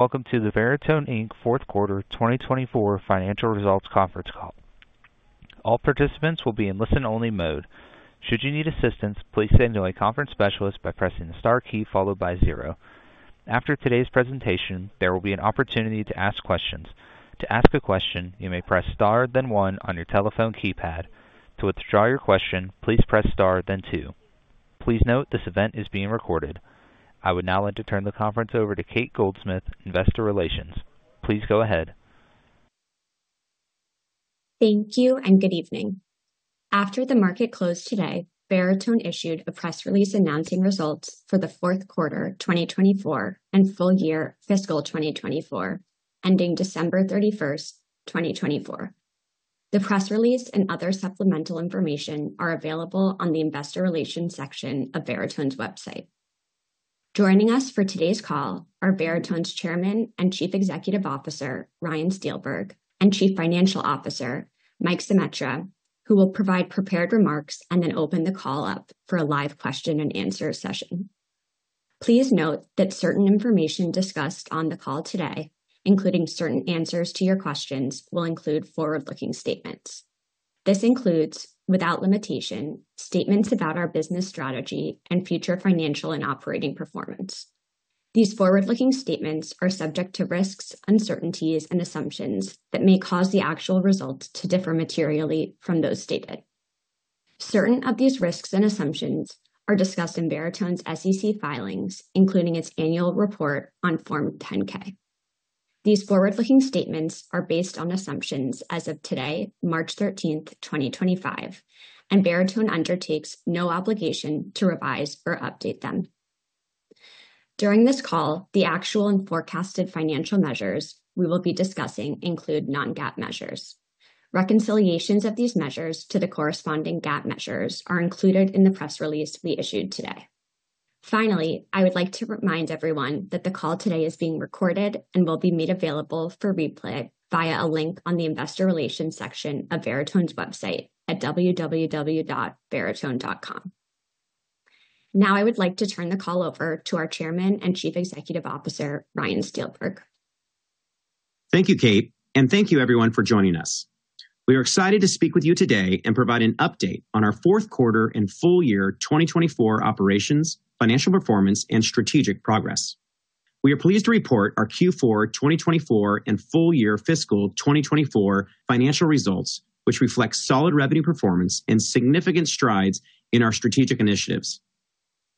Welcome to the Veritone Fourth Quarter 2024 Financial Results Conference Call. All participants will be in listen-only mode. Should you need assistance, please say no to a conference specialist by pressing the star key followed by zero. After today's presentation, there will be an opportunity to ask questions. To ask a question, you may press star, then one on your telephone keypad. To withdraw your question, please press star, then two. Please note this event is being recorded. I would now like to turn the conference over to Cate Goldsmith, Investor Relations. Please go ahead. Thank you and good evening. After the market closed today, Veritone issued a press release announcing results for the Fourth Quarter 2024 and Full Year Fiscal 2024, ending December 31st, 2024. The press release and other supplemental information are available on the Investor Relations section of Veritone's website. Joining us for today's call are Veritone's Chairman and Chief Executive Officer Ryan Steelberg and Chief Financial Officer Mike Zemetra, who will provide prepared remarks and then open the call up for a live question-and-answer session. Please note that certain information discussed on the call today, including certain answers to your questions, will include forward-looking statements. This includes, without limitation, statements about our business strategy and future financial and operating performance. These forward-looking statements are subject to risks, uncertainties, and assumptions that may cause the actual results to differ materially from those stated. Certain of these risks and assumptions are discussed in Veritone's SEC filings, including its annual report on Form 10-K. These forward-looking statements are based on assumptions as of today, March 13th, 2025, and Veritone undertakes no obligation to revise or update them. During this call, the actual and forecasted financial measures we will be discussing include non-GAAP measures. Reconciliations of these measures to the corresponding GAAP measures are included in the press release we issued today. Finally, I would like to remind everyone that the call today is being recorded and will be made available for replay via a link on the Investor Relations section of Veritone's website at www.veritone.com. Now I would like to turn the call over to our Chairman and Chief Executive Officer Ryan Steelberg. Thank you, Cate, and thank you, everyone, for joining us. We are excited to speak with you today and provide an update on our fourth quarter and full year 2024 operations, financial performance, and strategic progress. We are pleased to report our Q4 2024 and full year fiscal 2024 financial results, which reflect solid revenue performance and significant strides in our strategic initiatives.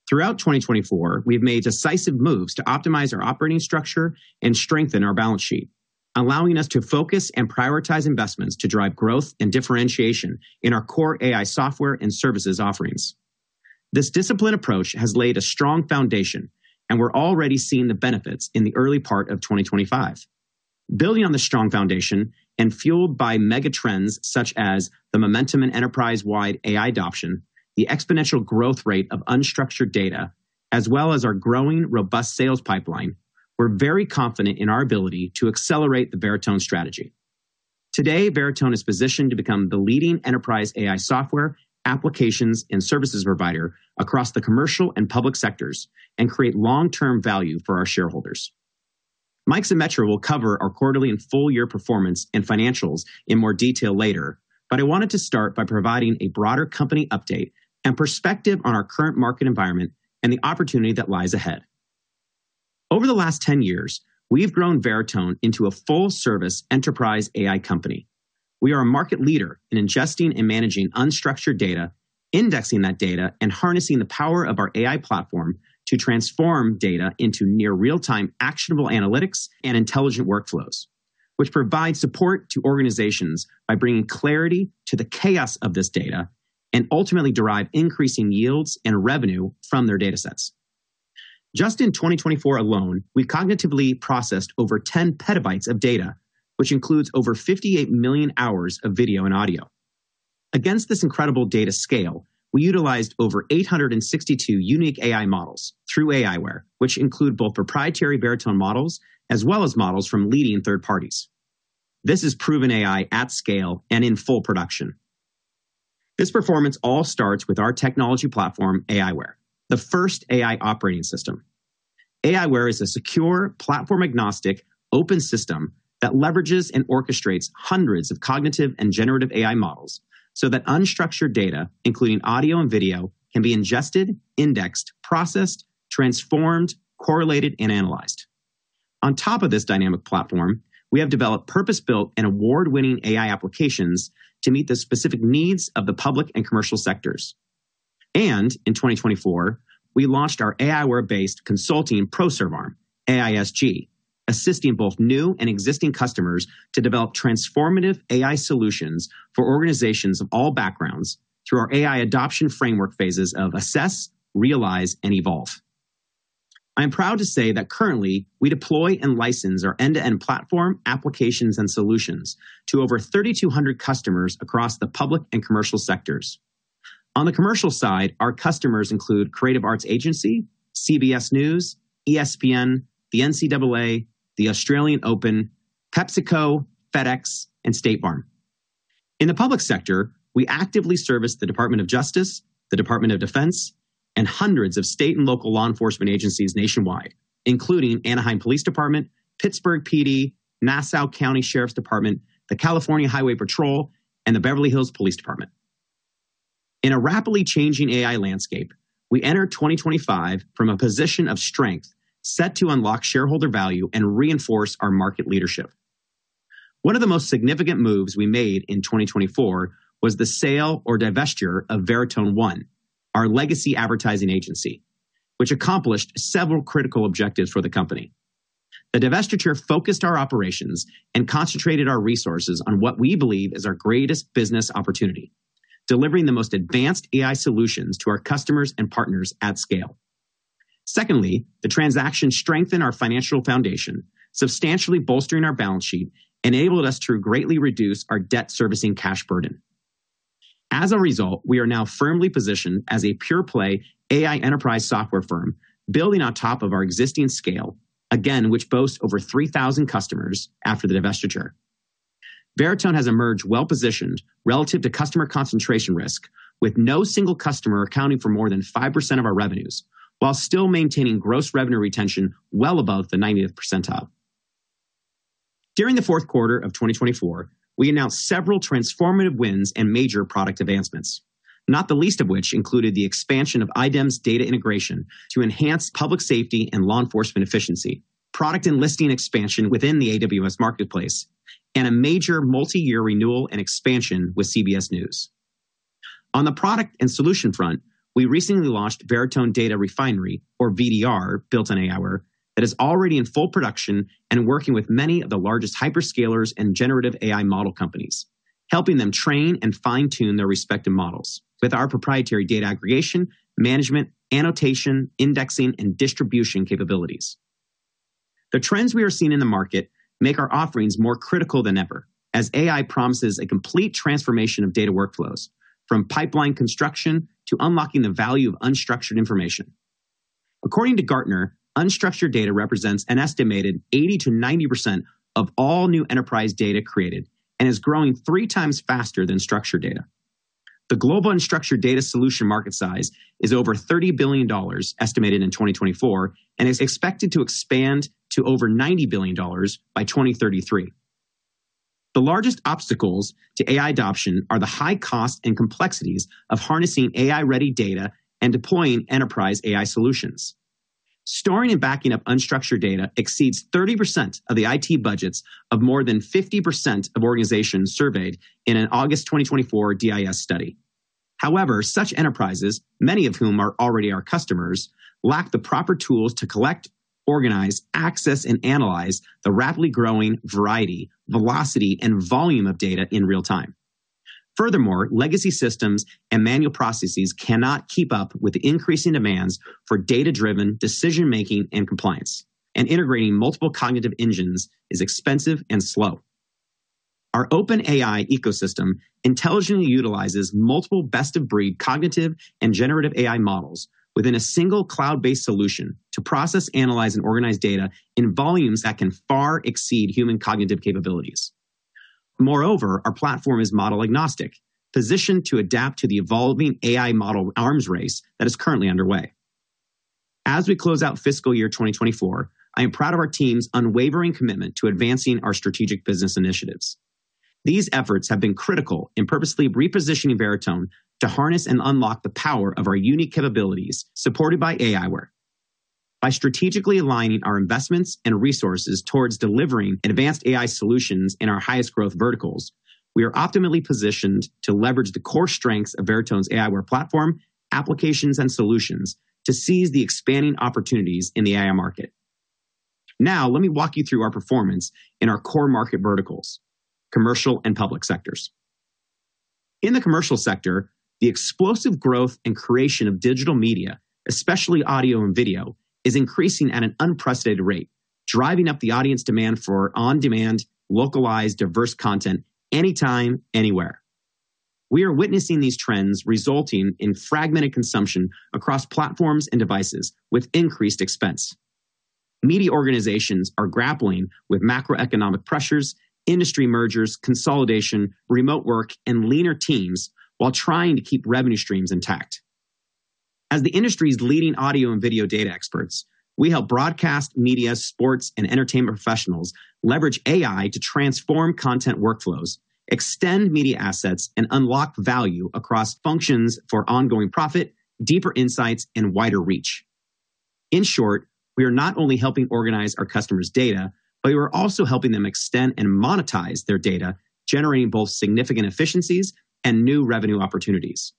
Throughout 2024, we've made decisive moves to optimize our operating structure and strengthen our balance sheet, allowing us to focus and prioritize investments to drive growth and differentiation in our core AI software and services offerings. This disciplined approach has laid a strong foundation, and we're already seeing the benefits in the early part of 2025. Building on this strong foundation and fueled by mega trends such as the momentum and enterprise-wide AI adoption, the exponential growth rate of unstructured data, as well as our growing robust sales pipeline, we're very confident in our ability to accelerate the Veritone strategy. Today, Veritone is positioned to become the leading enterprise AI software applications and services provider across the commercial and public sectors and create long-term value for our shareholders. Mike Zemetra will cover our quarterly and full year performance and financials in more detail later, but I wanted to start by providing a broader company update and perspective on our current market environment and the opportunity that lies ahead. Over the last 10 years, we've grown Veritone into a full-service enterprise AI company. We are a market leader in ingesting and managing unstructured data, indexing that data, and harnessing the power of our AI platform to transform data into near real-time actionable analytics and intelligent workflows, which provide support to organizations by bringing clarity to the chaos of this data and ultimately derive increasing yields and revenue from their data sets. Just in 2024 alone, we've cognitively processed over 10 petabytes of data, which includes over 58 million hours of video and audio. Against this incredible data scale, we utilized over 862 unique AI models through aiWARE, which include both proprietary Veritone models as well as models from leading third parties. This is proven AI at scale and in full production. This performance all starts with our technology platform, aiWARE, the first AI operating system. aiWARE is a secure, platform-agnostic, open system that leverages and orchestrates hundreds of cognitive and generative AI models so that unstructured data, including audio and video, can be ingested, indexed, processed, transformed, correlated, and analyzed. On top of this dynamic platform, we have developed purpose-built and award-winning AI applications to meet the specific needs of the public and commercial sectors. In 2024, we launched our aiWARE-based consulting ProServe Arm, AISG, assisting both new and existing customers to develop transformative AI solutions for organizations of all backgrounds through our AI adoption framework phases of assess, realize, and evolve. I'm proud to say that currently we deploy and license our end-to-end platform, applications, and solutions to over 3,200 customers across the public and commercial sectors. On the commercial side, our customers include Creative Artists Agency, CBS News, ESPN, the NCAA, the Australian Open, PepsiCo, FedEx, and State Farm. In the public sector, we actively service the Department of Justice, the Department of Defense, and hundreds of state and local law enforcement agencies nationwide, including Anaheim Police Department, Pittsburgh PD, Nassau County Sheriff's Department, the California Highway Patrol, and the Beverly Hills Police Department. In a rapidly changing AI landscape, we enter 2025 from a position of strength set to unlock shareholder value and reinforce our market leadership. One of the most significant moves we made in 2024 was the sale or divestiture of Veritone One, our legacy advertising agency, which accomplished several critical objectives for the company. The divestiture focused our operations and concentrated our resources on what we believe is our greatest business opportunity, delivering the most advanced AI solutions to our customers and partners at scale. Secondly, the transaction strengthened our financial foundation, substantially bolstering our balance sheet and enabled us to greatly reduce our debt servicing cash burden. As a result, we are now firmly positioned as a pure-play AI enterprise software firm, building on top of our existing scale, again, which boasts over 3,000 customers after the divestiture. Veritone has emerged well-positioned relative to customer concentration risk, with no single customer accounting for more than 5% of our revenues, while still maintaining gross revenue retention well above the 90th percentile. During the fourth quarter of 2024, we announced several transformative wins and major product advancements, not the least of which included the expansion of iDEMS data integration to enhance public safety and law enforcement efficiency, product and listing expansion within the AWS marketplace, and a major multi-year renewal and expansion with CBS News. On the product and solution front, we recently launched Veritone Data Refinery, or VDR, built on aiWARE that is already in full production and working with many of the largest hyperscalers and generative AI model companies, helping them train and fine-tune their respective models with our proprietary data aggregation, management, annotation, indexing, and distribution capabilities. The trends we are seeing in the market make our offerings more critical than ever, as AI promises a complete transformation of data workflows from pipeline construction to unlocking the value of unstructured information. According to Gartner, unstructured data represents an estimated 80% -90% of all new enterprise data created and is growing three times faster than structured data. The global unstructured data solution market size is over $30 billion estimated in 2024 and is expected to expand to over $90 billion by 2033. The largest obstacles to AI adoption are the high costs and complexities of harnessing AI-ready data and deploying enterprise AI solutions. Storing and backing up unstructured data exceeds 30% of the IT budgets of more than 50% of organizations surveyed in an August 2024 IDC study. However, such enterprises, many of whom are already our customers, lack the proper tools to collect, organize, access, and analyze the rapidly growing variety, velocity, and volume of data in real-time. Furthermore, legacy systems and manual processes cannot keep up with the increasing demands for data-driven decision-making and compliance, and integrating multiple cognitive engines is expensive and slow. Our open AI ecosystem intelligently utilizes multiple best-of-breed cognitive and generative AI models within a single cloud-based solution to process, analyze, and organize data in volumes that can far exceed human cognitive capabilities. Moreover, our platform is model-agnostic, positioned to adapt to the evolving AI model arms race that is currently underway. As we close out fiscal year 2024, I am proud of our team's unwavering commitment to advancing our strategic business initiatives. These efforts have been critical in purposely repositioning Veritone to harness and unlock the power of our unique capabilities supported by aiWARE. By strategically aligning our investments and resources towards delivering advanced AI solutions in our highest growth verticals, we are optimally positioned to leverage the core strengths of Veritone's aiWARE platform, applications, and solutions to seize the expanding opportunities in the AI market. Now, let me walk you through our performance in our core market verticals, commercial and public sectors. In the commercial sector, the explosive growth and creation of digital media, especially audio and video, is increasing at an unprecedented rate, driving up the audience demand for on-demand, localized, diverse content anytime, anywhere. We are witnessing these trends resulting in fragmented consumption across platforms and devices with increased expense. Media organizations are grappling with macroeconomic pressures, industry mergers, consolidation, remote work, and leaner teams while trying to keep revenue streams intact. As the industry's leading audio and video data experts, we help broadcast, media, sports, and entertainment professionals leverage AI to transform content workflows, extend media assets, and unlock value across functions for ongoing profit, deeper insights, and wider reach. In short, we are not only helping organize our customer's data, but we are also helping them extend and monetize their data, generating both significant efficiencies and new revenue opportunities.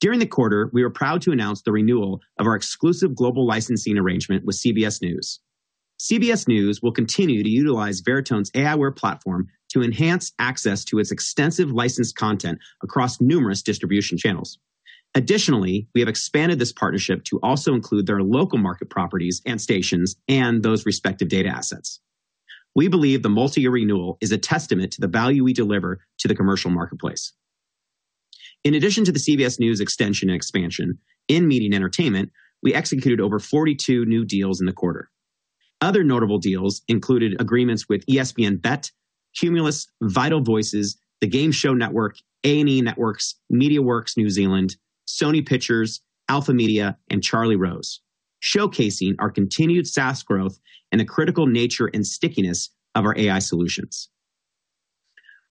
During the quarter, we are proud to announce the renewal of our exclusive global licensing arrangement with CBS News. CBS News will continue to utilize Veritone's aiWARE platform to enhance access to its extensive licensed content across numerous distribution channels. Additionally, we have expanded this partnership to also include their local market properties and stations and those respective data assets. We believe the multi-year renewal is a testament to the value we deliver to the commercial marketplace. In addition to the CBS News extension and expansion, in media and entertainment, we executed over 42 new deals in the quarter. Other notable deals included agreements with ESPN BET, Cumulus, Vital Voices, Game Show Network, A&E Networks, MediaWorks New Zealand, Sony Pictures, Alpha Media, and Charlie Rose, showcasing our continued SaaS growth and the critical nature and stickiness of our AI solutions.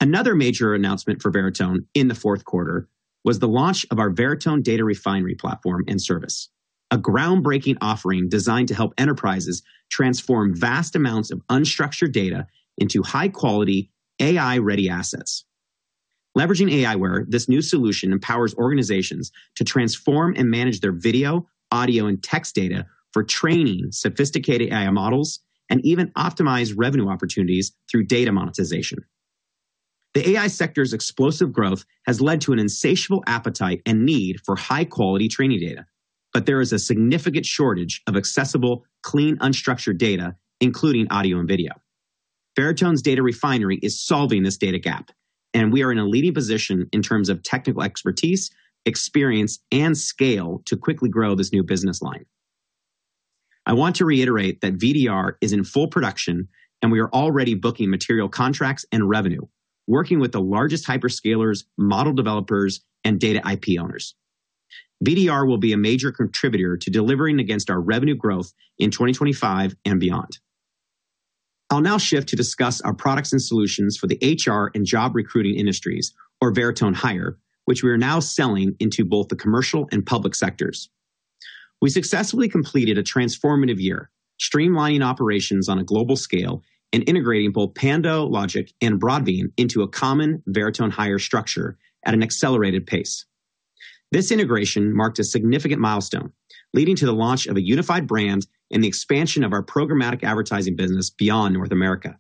Another major announcement for Veritone in the fourth quarter was the launch of our Veritone Data Refinery platform and service, a groundbreaking offering designed to help enterprises transform vast amounts of unstructured data into high-quality, AI-ready assets. Leveraging aiWARE, this new solution empowers organizations to transform and manage their video, audio, and text data for training sophisticated AI models and even optimize revenue opportunities through data monetization. The AI sector's explosive growth has led to an insatiable appetite and need for high-quality training data, but there is a significant shortage of accessible, clean, unstructured data, including audio and video. Veritone's Data Refinery is solving this data gap, and we are in a leading position in terms of technical expertise, experience, and scale to quickly grow this new business line. I want to reiterate that VDR is in full production, and we are already booking material contracts and revenue, working with the largest hyperscalers, model developers, and data IP owners. VDR will be a major contributor to delivering against our revenue growth in 2025 and beyond. I'll now shift to discuss our products and solutions for the HR and job recruiting industries, or Veritone Hire, which we are now selling into both the commercial and public sectors. We successfully completed a transformative year, streamlining operations on a global scale and integrating both PandoLogic, and Broadbean into a common Veritone Hire structure at an accelerated pace. This integration marked a significant milestone, leading to the launch of a unified brand and the expansion of our programmatic advertising business beyond North America.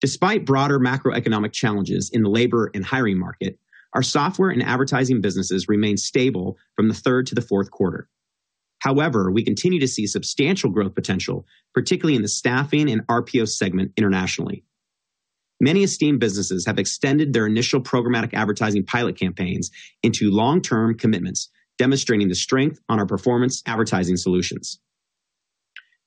Despite broader macroeconomic challenges in the labor and hiring market, our software and advertising businesses remained stable from the third to the fourth quarter. However, we continue to see substantial growth potential, particularly in the staffing and RPO segment internationally. Many esteemed businesses have extended their initial programmatic advertising pilot campaigns into long-term commitments, demonstrating the strength on our performance advertising solutions.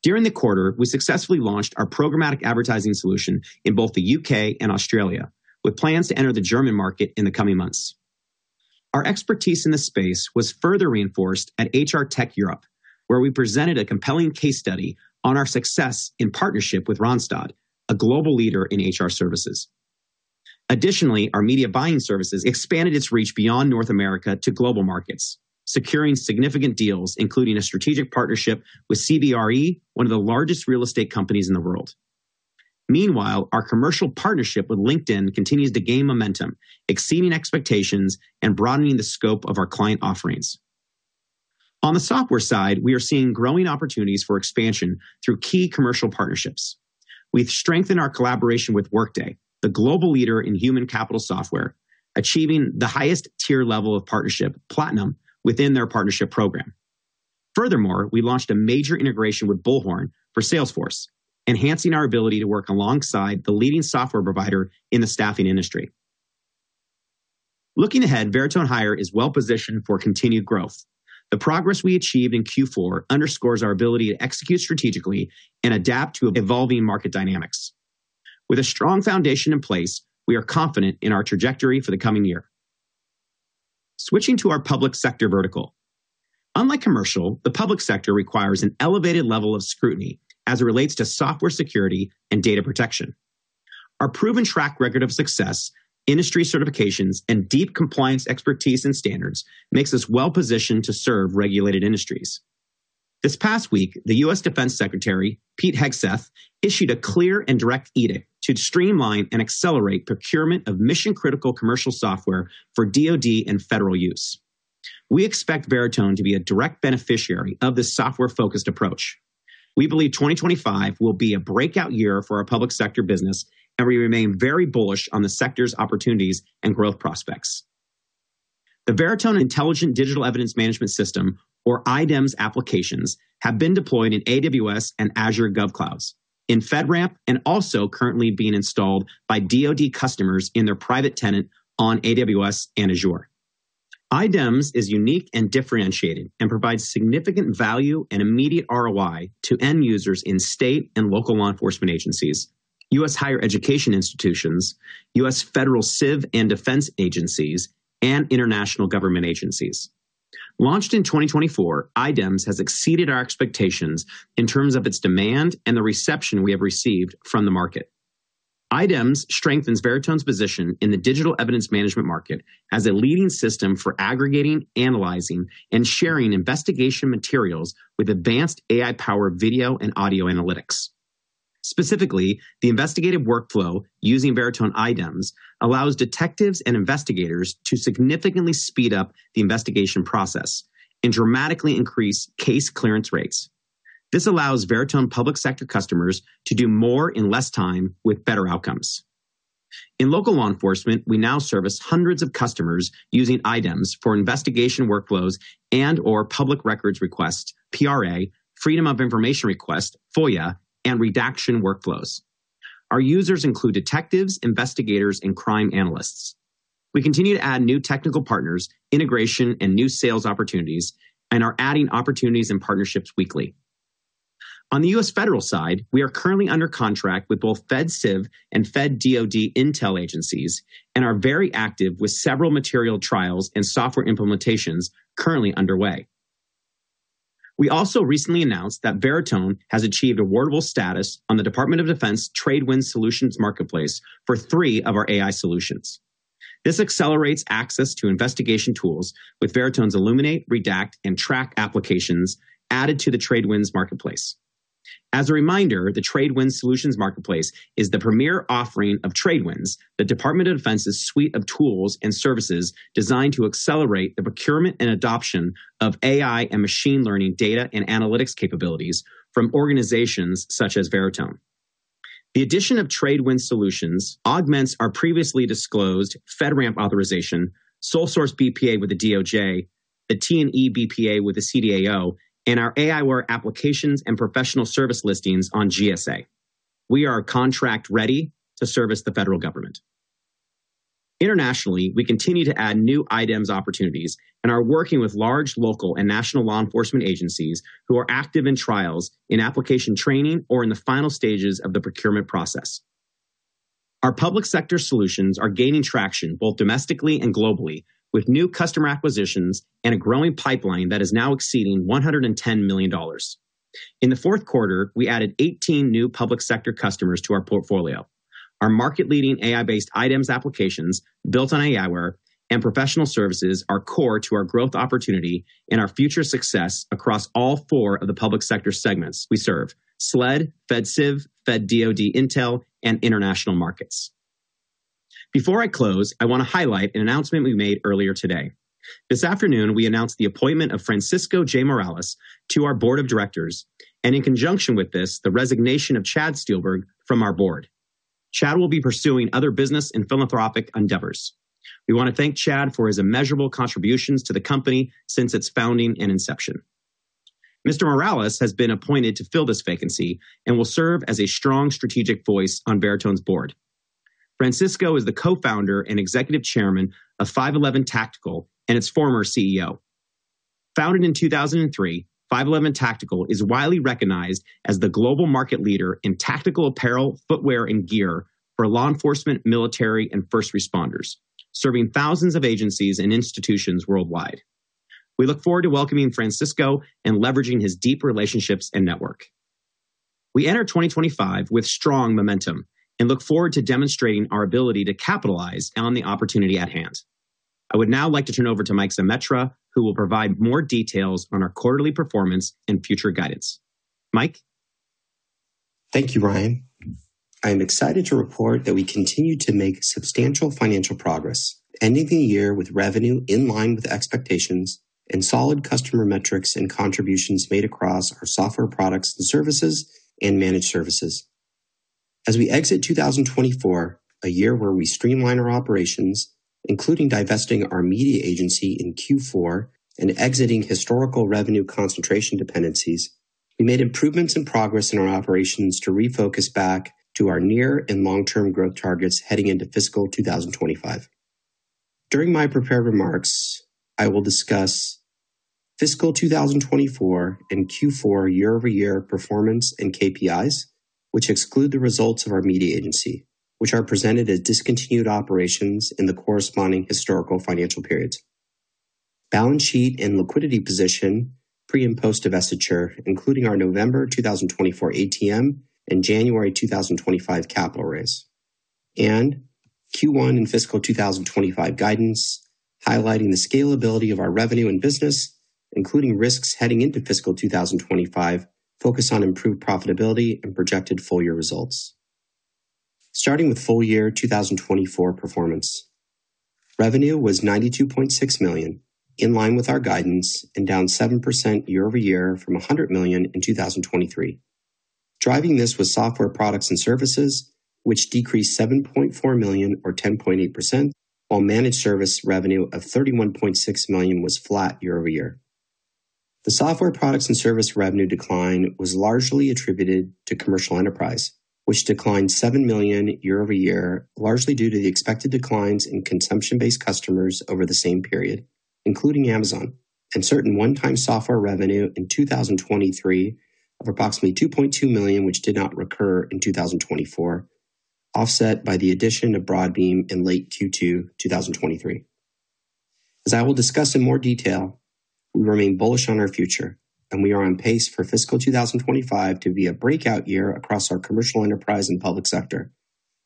During the quarter, we successfully launched our programmatic advertising solution in both the U.K. and Australia, with plans to enter the German market in the coming months. Our expertise in this space was further reinforced at HR Tech Europe, where we presented a compelling case study on our success in partnership with Randstad, a global leader in HR services. Additionally, our media buying services expanded its reach beyond North America to global markets, securing significant deals, including a strategic partnership with CBRE, one of the largest real estate companies in the world. Meanwhile, our commercial partnership with LinkedIn continues to gain momentum, exceeding expectations and broadening the scope of our client offerings. On the software side, we are seeing growing opportunities for expansion through key commercial partnerships. We've strengthened our collaboration with Workday, the global leader in human capital software, achieving the highest tier level of partnership, Platinum, within their partnership program. Furthermore, we launched a major integration with Bullhorn for Salesforce, enhancing our ability to work alongside the leading software provider in the staffing industry. Looking ahead, Veritone Hire is well-positioned for continued growth. The progress we achieved in Q4 underscores our ability to execute strategically and adapt to evolving market dynamics. With a strong foundation in place, we are confident in our trajectory for the coming year. Switching to our public sector vertical. Unlike commercial, the public sector requires an elevated level of scrutiny as it relates to software security and data protection. Our proven track record of success, industry certifications, and deep compliance expertise and standards make us well-positioned to serve regulated industries. This past week, the U.S. Defense Secretary, Pete Hegseth, issued a clear and direct edict to streamline and accelerate procurement of mission-critical commercial software for DOD and federal use. We expect Veritone to be a direct beneficiary of this software-focused approach. We believe 2025 will be a breakout year for our public sector business, and we remain very bullish on the sector's opportunities and growth prospects. The Veritone Intelligent Digital Evidence Management System, or iDEMS applications, have been deployed in AWS and Azure GovClouds, in FedRAMP, and also currently being installed by DoD customers in their private tenant on AWS and Azure. iDEMS is unique and differentiated and provides significant value and immediate ROI to end users in state and local law enforcement agencies, U.S. higher education institutions, U.S. federal civ and defense agencies, and international government agencies. Launched in 2024, iDEMS has exceeded our expectations in terms of its demand and the reception we have received from the market. iDEMS strengthens Veritone's position in the digital evidence management market as a leading system for aggregating, analyzing, and sharing investigation materials with advanced AI-powered video and audio analytics. Specifically, the investigative workflow using Veritone iDEMS allows detectives and investigators to significantly speed up the investigation process and dramatically increase case clearance rates. This allows Veritone public sector customers to do more in less time with better outcomes. In local law enforcement, we now service hundreds of customers using iDEMS for investigation workflows and/or public records requests, PRA, Freedom of Information requests, FOIA, and redaction workflows. Our users include detectives, investigators, and crime analysts. We continue to add new technical partners, integration, and new sales opportunities, and are adding opportunities and partnerships weekly. On the U.S. federal side, we are currently under contract with both Fed Civ and Fed DOD Intel agencies and are very active with several material trials and software implementations currently underway. We also recently announced that Veritone has achieved awardable status on the Department of Defense Tradewinds Solutions Marketplace for three of our AI solutions. This accelerates access to investigation tools with Veritone's Illuminate, Redact, and Track applications added to the Tradewinds Marketplace. As a reminder, the Tradewinds Solutions Marketplace is the premier offering of Tradewinds, the Department of Defense's suite of tools and services designed to accelerate the procurement and adoption of AI and machine learning data and analytics capabilities from organizations such as Veritone. The addition of Tradewinds Solutions augments our previously disclosed FedRAMP authorization, Sole Source BPA with the DOJ, the T&E BPA with the CDAO, and our aiWARE applications and professional service listings on GSA. We are contract-ready to service the federal government. Internationally, we continue to add new iDEMS opportunities and are working with large, local, and national law enforcement agencies who are active in trials, in application training, or in the final stages of the procurement process. Our public sector solutions are gaining traction both domestically and globally with new customer acquisitions and a growing pipeline that is now exceeding $110 million. In the fourth quarter, we added 18 new public sector customers to our portfolio. Our market-leading AI-based iDEMS applications built on aiWARE and professional services are core to our growth opportunity and our future success across all four of the public sector segments we serve: SLED, Fed Civ, Fed DoD Intel, and international markets. Before I close, I want to highlight an announcement we made earlier today. This afternoon, we announced the appointment of Francisco J. Morales to our board of directors, and in conjunction with this, the resignation of Chad Steelberg from our board. Chad will be pursuing other business and philanthropic endeavors. We want to thank Chad for his immeasurable contributions to the company since its founding and inception. Mr. Morales has been appointed to fill this vacancy and will serve as a strong strategic voice on Veritone's board. Francisco is the co-founder and Executive Chairman of 5.11 Tactical and its former CEO. Founded in 2003, 5.11 Tactical is widely recognized as the global market leader in tactical apparel, footwear, and gear for law enforcement, military, and first responders, serving thousands of agencies and institutions worldwide. We look forward to welcoming Francisco and leveraging his deep relationships and network. We enter 2025 with strong momentum and look forward to demonstrating our ability to capitalize on the opportunity at hand. I would now like to turn over to Mike Zemetra, who will provide more details on our quarterly performance and future guidance. Mike. Thank you, Ryan. I am excited to report that we continue to make substantial financial progress, ending the year with revenue in line with expectations and solid customer metrics and contributions made across our software products and services and managed services. As we exit 2024, a year where we streamline our operations, including divesting our media agency in Q4 and exiting historical revenue concentration dependencies, we made improvements and progress in our operations to refocus back to our near and long-term growth targets heading into fiscal 2025. During my prepared remarks, I will discuss fiscal 2024 and Q4 year-over-year performance and KPIs, which exclude the results of our media agency, which are presented as discontinued operations in the corresponding historical financial periods, balance sheet and liquidity position pre and post divestiture, including our November 2024 ATM and January 2025 capital raise, and Q1 and fiscal 2025 guidance highlighting the scalability of our revenue and business, including risks heading into fiscal 2025 focused on improved profitability and projected full-year results. Starting with full-year 2024 performance, revenue was $92.6 million, in line with our guidance, and down 7% year-over-year from $100 million in 2023. Driving this was software products and services, which decreased $7.4 million, or 10.8%, while managed service revenue of $31.6 million was flat year-over-year. The software products and service revenue decline was largely attributed to commercial enterprise, which declined $7 million year-over-year, largely due to the expected declines in consumption-based customers over the same period, including Amazon, and certain one-time software revenue in 2023 of approximately $2.2 million, which did not recur in 2024, offset by the addition of Broadbean in late Q2 2023. As I will discuss in more detail, we remain bullish on our future, and we are on pace for fiscal 2025 to be a breakout year across our commercial enterprise and public sector,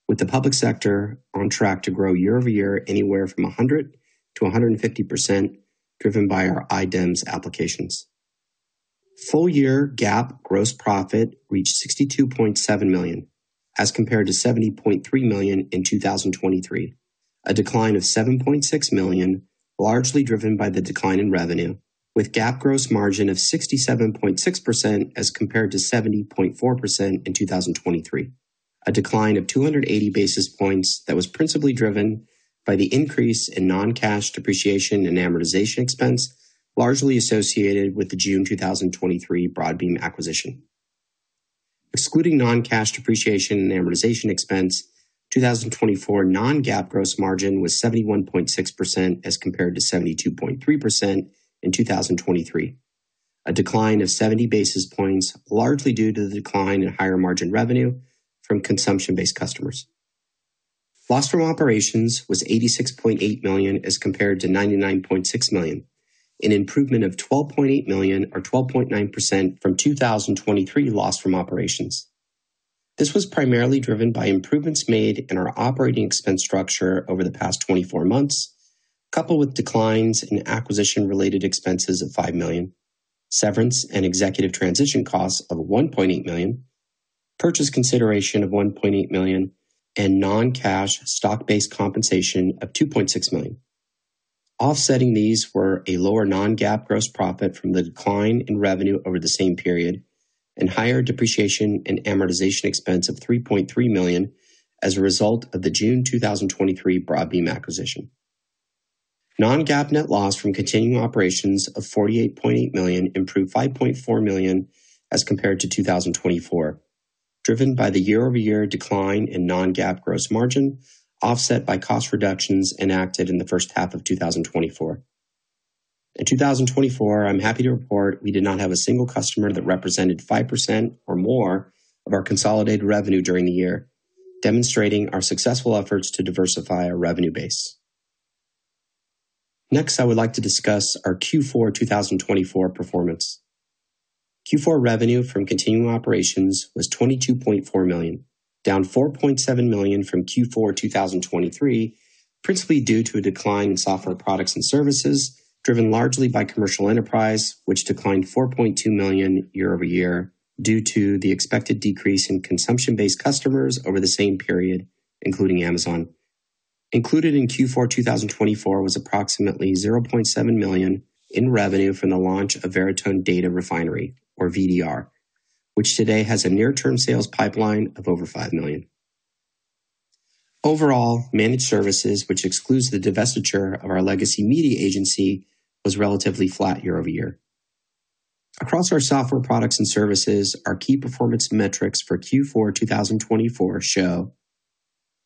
with the public sector on track to grow year-over-year anywhere from 100%-150%, driven by our iDEMS applications. Full-year GAAP gross profit reached $62.7 million as compared to $70.3 million in 2023, a decline of $7.6 million, largely driven by the decline in revenue, with GAAP gross margin of 67.6% as compared to 70.4% in 2023, a decline of 280 basis points that was principally driven by the increase in non-cash depreciation and amortization expense, largely associated with the June 2023 Broadbean acquisition. Excluding non-cash depreciation and amortization expense, 2024 non-GAAP gross margin was 71.6% as compared to 72.3% in 2023, a decline of 70 basis points, largely due to the decline in higher margin revenue from consumption-based customers. Loss from operations was $86.8 million as compared to $99.6 million, an improvement of $12.8 million, or 12.9%, from 2023 loss from operations. This was primarily driven by improvements made in our operating expense structure over the past 24 months, coupled with declines in acquisition-related expenses of $5 million, severance and executive transition costs of $1.8 million, purchase consideration of $1.8 million, and non-cash stock-based compensation of $2.6 million. Offsetting these were a lower non-GAAP gross profit from the decline in revenue over the same period and higher depreciation and amortization expense of $3.3 million as a result of the June 2023 Broadbean acquisition. Non-GAAP net loss from continuing operations of $48.8 million improved $5.4 million as compared to 2024, driven by the year-over-year decline in non-GAAP gross margin, offset by cost reductions enacted in the first half of 2024. In 2024, I'm happy to report we did not have a single customer that represented 5% or more of our consolidated revenue during the year, demonstrating our successful efforts to diversify our revenue base. Next, I would like to discuss our Q4 2024 performance. Q4 revenue from continuing operations was $22.4 million, down $4.7 million from Q4 2023, principally due to a decline in software products and services driven largely by commercial enterprise, which declined $4.2 million year-over-year due to the expected decrease in consumption-based customers over the same period, including Amazon. Included in Q4 2024 was approximately $0.7 million in revenue from the launch of Veritone Data Refinery, or VDR, which today has a near-term sales pipeline of over $5 million. Overall, managed services, which excludes the divestiture of our legacy media agency, was relatively flat year-over-year. Across our software products and services, our key performance metrics for Q4 2024 show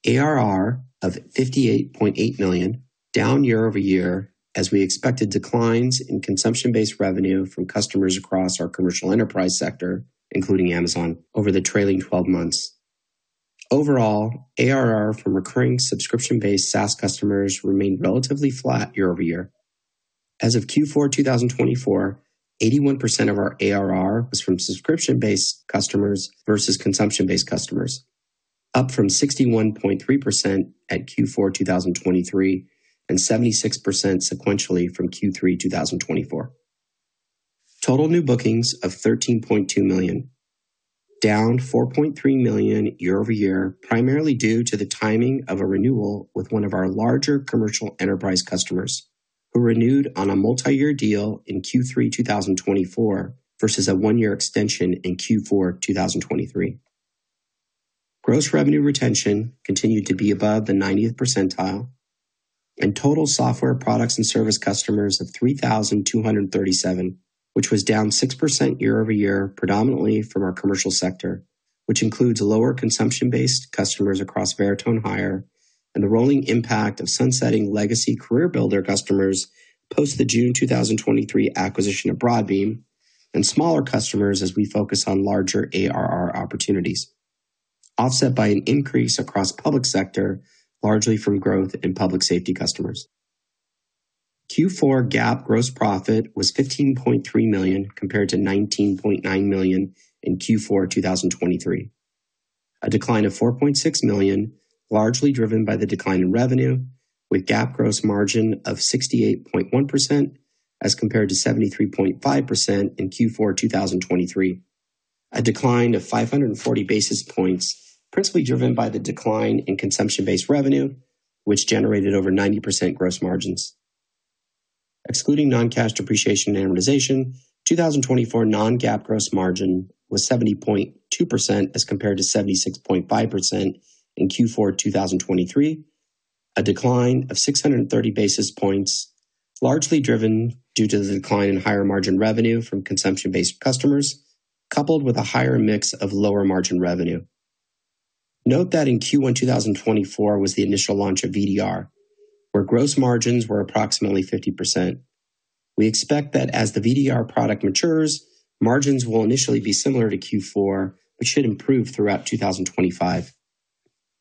ARR of $58.8 million, down year-over-year, as we expected declines in consumption-based revenue from customers across our commercial enterprise sector, including Amazon, over the trailing 12 months. Overall, ARR from recurring subscription-based SaaS customers remained relatively flat year-over-year. As of Q4 2024, 81% of our ARR was from subscription-based customers versus consumption-based customers, up from 61.3% at Q4 2023 and 76% sequentially from Q3 2024. Total new bookings of $13.2 million, down $4.3 million year-over-year, primarily due to the timing of a renewal with one of our larger commercial enterprise customers, who renewed on a multi-year deal in Q3 2024 versus a one-year extension in Q4 2023. Gross revenue retention continued to be above the 90th percentile, and total software products and service customers of 3,237, which was down 6% year-over-year, predominantly from our commercial sector, which includes lower consumption-based customers across Veritone Hire and the rolling impact of sunsetting legacy CareerBuilder customers post the June 2023 acquisition of Broadbean and smaller customers as we focus on larger ARR opportunities, offset by an increase across public sector, largely from growth in public safety customers. Q4 GAAP gross profit was $15.3 million compared to $19.9 million in Q4 2023, a decline of $4.6 million, largely driven by the decline in revenue, with GAAP gross margin of 68.1% as compared to 73.5% in Q4 2023, a decline of 540 basis points, principally driven by the decline in consumption-based revenue, which generated over 90% gross margins. Excluding non-cash depreciation and amortization, 2024 non-GAAP gross margin was 70.2% as compared to 76.5% in Q4 2023, a decline of 630 basis points, largely driven due to the decline in higher margin revenue from consumption-based customers, coupled with a higher mix of lower margin revenue. Note that in Q1 2024 was the initial launch of VDR, where gross margins were approximately 50%. We expect that as the VDR product matures, margins will initially be similar to Q4, which should improve throughout 2025.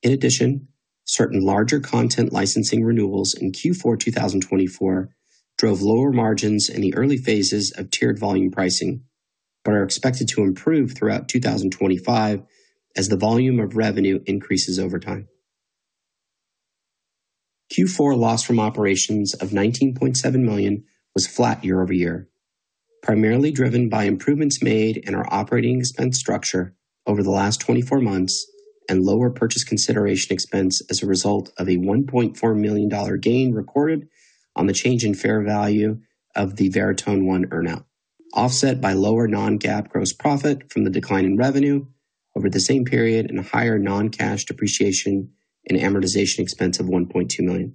In addition, certain larger content licensing renewals in Q4 2024 drove lower margins in the early phases of tiered volume pricing, but are expected to improve throughout 2025 as the volume of revenue increases over time. Q4 loss from operations of $19.7 million was flat year-over-year, primarily driven by improvements made in our operating expense structure over the last 24 months and lower purchase consideration expense as a result of a $1.4 million gain recorded on the change in fair value of the Veritone One earnout, offset by lower non-GAAP gross profit from the decline in revenue over the same period and a higher non-cash depreciation and amortization expense of $1.2 million.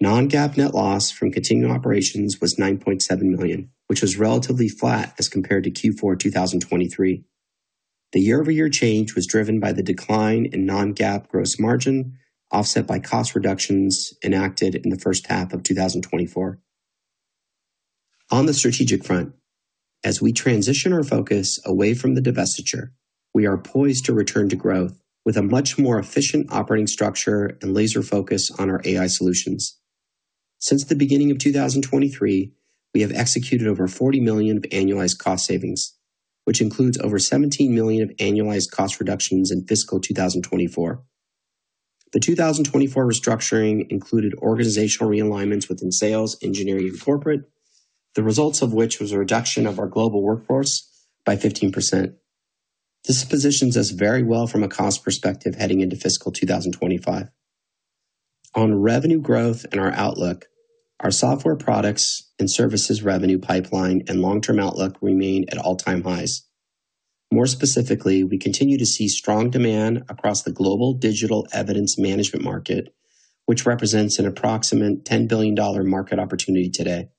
Non-GAAP net loss from continuing operations was $9.7 million, which was relatively flat as compared to Q4 2023. The year-over-year change was driven by the decline in non-GAAP gross margin, offset by cost reductions enacted in the first half of 2024. On the strategic front, as we transition our focus away from the divestiture, we are poised to return to growth with a much more efficient operating structure and laser focus on our AI solutions. Since the beginning of 2023, we have executed over $40 million of annualized cost savings, which includes over $17 million of annualized cost reductions in fiscal 2024. The 2024 restructuring included organizational realignments within sales, engineering, and corporate, the results of which was a reduction of our global workforce by 15%. This positions us very well from a cost perspective heading into fiscal 2025. On revenue growth and our outlook, our software products and services revenue pipeline and long-term outlook remain at all-time highs. More specifically, we continue to see strong demand across the global digital evidence management market, which represents an approximate $10 billion market opportunity today.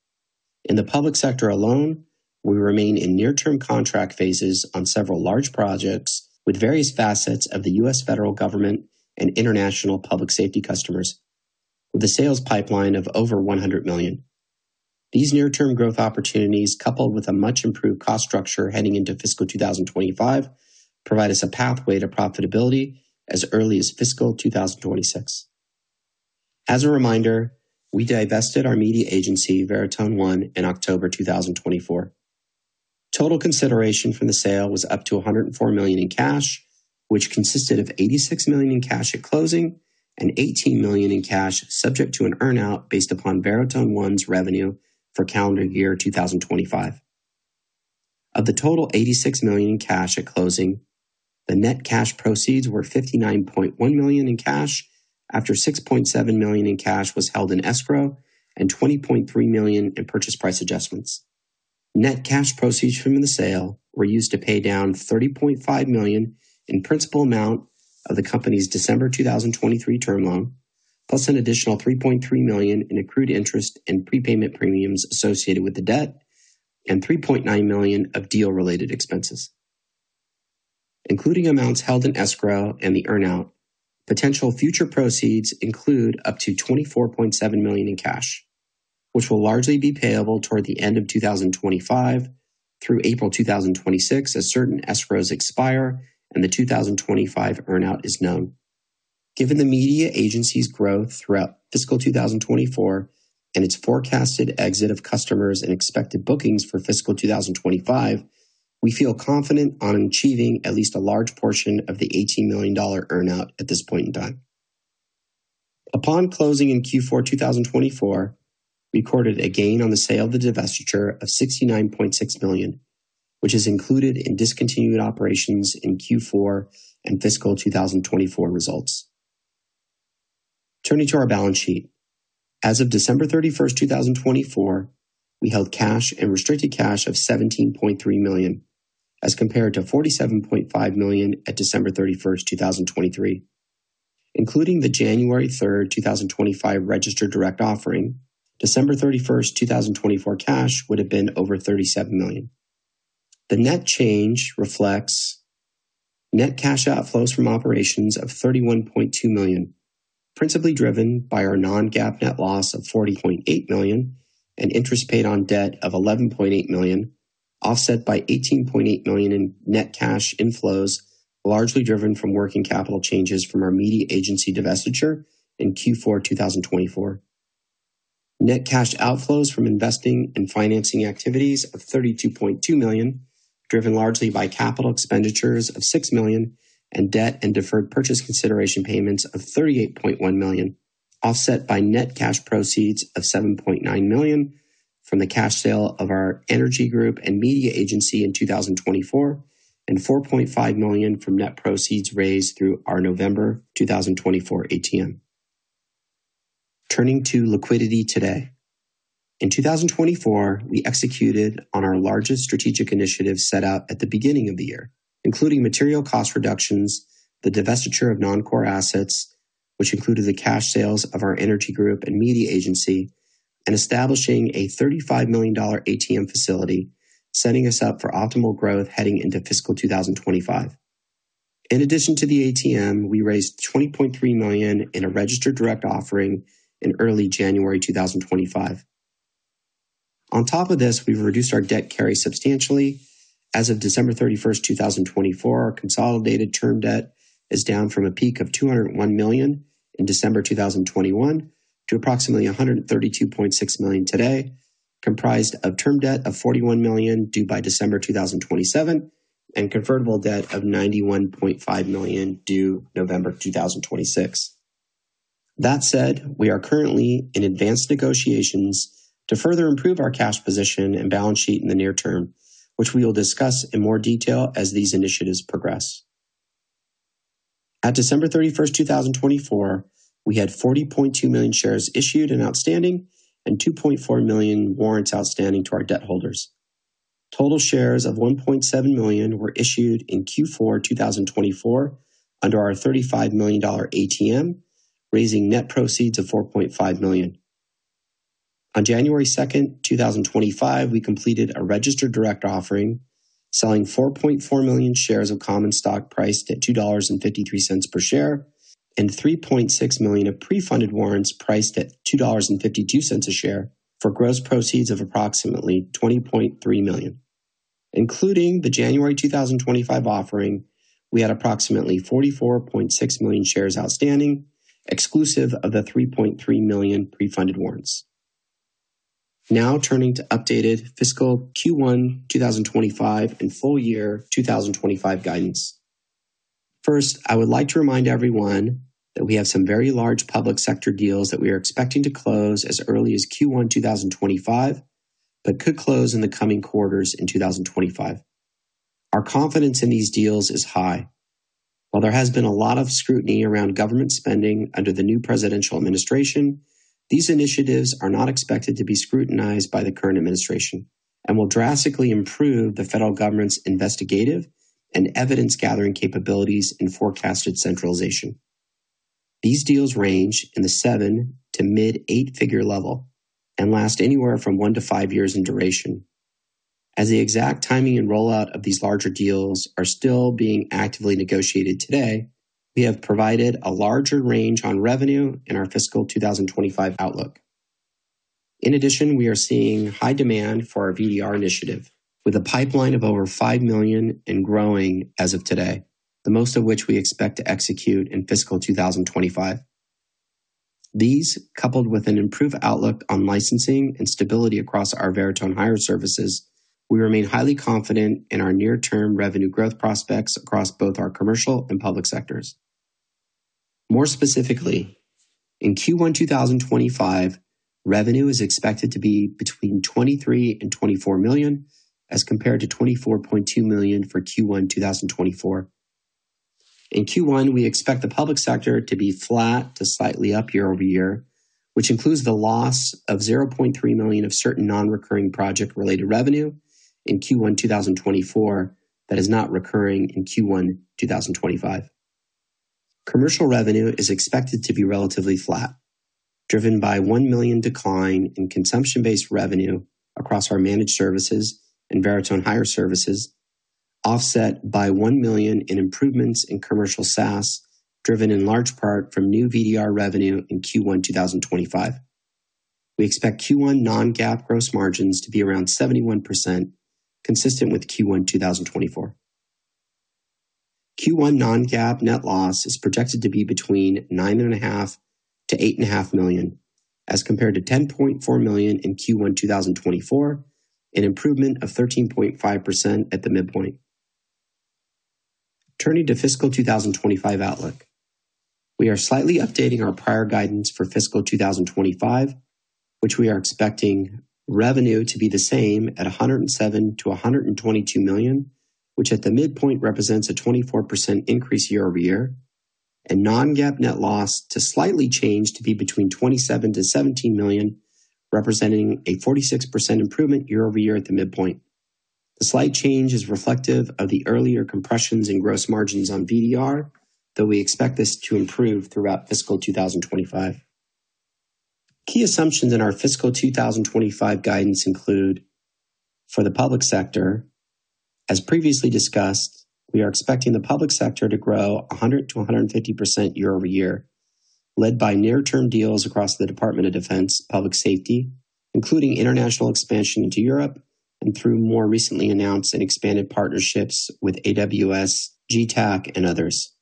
In the public sector alone, we remain in near-term contract phases on several large projects with various facets of the U.S. federal government and international public safety customers, with a sales pipeline of over $100 million. These near-term growth opportunities, coupled with a much-improved cost structure heading into fiscal 2025, provide us a pathway to profitability as early as fiscal 2026. As a reminder, we divested our media agency, Veritone One, in October 2024. Total consideration from the sale was up to $104 million in cash, which consisted of $86 million in cash at closing and $18 million in cash subject to an earnout based upon Veritone One's revenue for calendar year 2025. Of the total $86 million in cash at closing, the net cash proceeds were $59.1 million in cash after $6.7 million in cash was held in escrow and $20.3 million in purchase price adjustments. Net cash proceeds from the sale were used to pay down $30.5 million in principal amount of the company's December 2023 term loan, plus an additional $3.3 million in accrued interest and prepayment premiums associated with the debt, and $3.9 million of deal-related expenses. Including amounts held in escrow and the earnout, potential future proceeds include up to $24.7 million in cash, which will largely be payable toward the end of 2025 through April 2026 as certain escrows expire and the 2025 earnout is known. Given the media agency's growth throughout fiscal 2024 and its forecasted exit of customers and expected bookings for fiscal 2025, we feel confident on achieving at least a large portion of the $18 million earnout at this point in time. Upon closing in Q4 2024, we recorded a gain on the sale of the divestiture of $69.6 million, which is included in discontinued operations in Q4 and fiscal 2024 results. Turning to our balance sheet, as of December 31, 2024, we held cash and restricted cash of $17.3 million as compared to $47.5 million at December 31, 2023. Including the January 3, 2025 registered direct offering, December 31, 2024 cash would have been over $37 million. The net change reflects net cash outflows from operations of $31.2 million, principally driven by our non-GAAP net loss of $40.8 million and interest paid on debt of $11.8 million, offset by $18.8 million in net cash inflows, largely driven from working capital changes from our media agency divestiture in Q4 2024. Net cash outflows from investing and financing activities of $32.2 million, driven largely by capital expenditures of $6 million, and debt and deferred purchase consideration payments of $38.1 million, offset by net cash proceeds of $7.9 million from the cash sale of our energy group and media agency in 2024, and $4.5 million from net proceeds raised through our November 2024 ATM. Turning to liquidity today, in 2024, we executed on our largest strategic initiative set out at the beginning of the year, including material cost reductions, the divestiture of non-core assets, which included the cash sales of our energy group and media agency, and establishing a $35 million ATM facility, setting us up for optimal growth heading into fiscal 2025. In addition to the ATM, we raised $20.3 million in a registered direct offering in early January 2025. On top of this, we've reduced our debt carry substantially. As of December 31, 2024, our consolidated term debt is down from a peak of $201 million in December 2021 to approximately $132.6 million today, comprised of term debt of $41 million due by December 2027 and convertible debt of $91.5 million due November 2026. That said, we are currently in advanced negotiations to further improve our cash position and balance sheet in the near term, which we will discuss in more detail as these initiatives progress. At December 31, 2024, we had 40.2 million shares issued and outstanding and 2.4 million warrants outstanding to our debt holders. Total shares of $1.7 million were issued in Q4 2024 under our $35 million ATM, raising net proceeds of $4.5 million. On January 2, 2025, we completed a registered direct offering, selling 4.4 million shares of Common Stock priced at $2.53 per share and 3.6 million of pre-funded warrants priced at $2.52 a share for gross proceeds of approximately $20.3 million. Including the January 2025 offering, we had approximately 44.6 million shares outstanding, exclusive of the 3.3 million pre-funded warrants. Now turning to updated fiscal Q1 2025 and full year 2025 guidance. First, I would like to remind everyone that we have some very large public sector deals that we are expecting to close as early as Q1 2025, but could close in the coming quarters in 2025. Our confidence in these deals is high. While there has been a lot of scrutiny around government spending under the new presidential administration, these initiatives are not expected to be scrutinized by the current administration and will drastically improve the federal government's investigative and evidence-gathering capabilities and forecasted centralization. These deals range in the seven to mid-eight figure level and last anywhere from one to five years in duration. As the exact timing and rollout of these larger deals are still being actively negotiated today, we have provided a larger range on revenue in our fiscal 2025 outlook. In addition, we are seeing high demand for our VDR initiative, with a pipeline of over $5 million and growing as of today, the most of which we expect to execute in fiscal 2025. These, coupled with an improved outlook on licensing and stability across our Veritone Hire services, we remain highly confident in our near-term revenue growth prospects across both our commercial and public sectors. More specifically, in Q1 2025, revenue is expected to be between $23-$24 million as compared to $24.2 million for Q1 2024. In Q1, we expect the public sector to be flat to slightly up year over year, which includes the loss of $0.3 million of certain non-recurring project-related revenue in Q1 2024 that is not recurring in Q1 2025. Commercial revenue is expected to be relatively flat, driven by $1 million decline in consumption-based revenue across our managed services and Veritone Hire services, offset by $1 million in improvements in commercial SaaS, driven in large part from new VDR revenue in Q1 2025. We expect Q1 non-GAAP gross margins to be around 71%, consistent with Q1 2024. Q1 non-GAAP net loss is projected to be between $9.5 million-$8.5 million as compared to $10.4 million in Q1 2024, an improvement of 13.5% at the midpoint. Turning to fiscal 2025 outlook, we are slightly updating our prior guidance for fiscal 2025, which we are expecting revenue to be the same at $107-$122 million, which at the midpoint represents a 24% increase year over year, and non-GAAP net loss to slightly change to be between $27-$17 million, representing a 46% improvement year over year at the midpoint. The slight change is reflective of the earlier compressions in gross margins on VDR, though we expect this to improve throughout fiscal 2025. Key assumptions in our fiscal 2025 guidance include: for the public sector, as previously discussed, we are expecting the public sector to grow 100-150% year over year, led by near-term deals across the Department of Defense, public safety, including international expansion into Europe and through more recently announced and expanded partnerships with AWS, Getac, and others.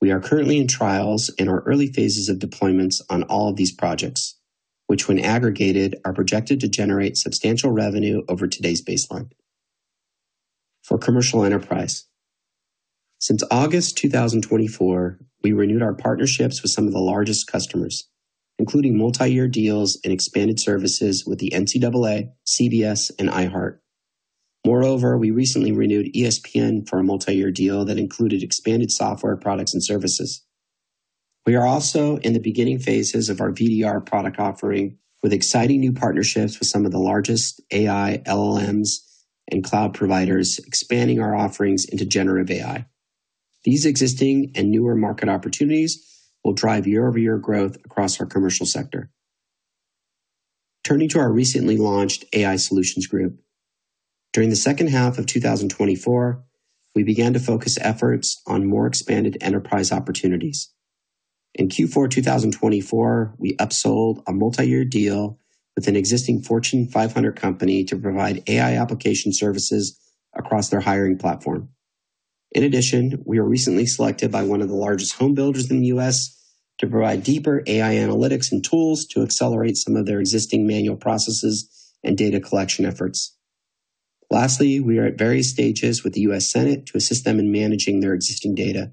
We are currently in trials and are early phases of deployments on all of these projects, which when aggregated are projected to generate substantial revenue over today's baseline. For commercial enterprise, since August 2024, we renewed our partnerships with some of the largest customers, including multi-year deals and expanded services with the NCAA, CBS, and iHeart. Moreover, we recently renewed ESPN for a multi-year deal that included expanded software products and services. We are also in the beginning phases of our VDR product offering, with exciting new partnerships with some of the largest AI, LLMs, and cloud providers expanding our offerings into generative AI. These existing and newer market opportunities will drive year-over-year growth across our commercial sector. Turning to our recently launched AI Solutions Group, during the second half of 2024, we began to focus efforts on more expanded enterprise opportunities. In Q4 2024, we upsold a multi-year deal with an existing Fortune 500 company to provide AI application services across their hiring platform. In addition, we were recently selected by one of the largest homebuilders in the U.S. to provide deeper AI analytics and tools to accelerate some of their existing manual processes and data collection efforts. Lastly, we are at various stages with the U.S. Senate to assist them in managing their existing data.